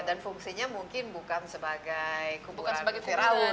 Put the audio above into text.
dan fungsinya mungkin bukan sebagai kuburan firaun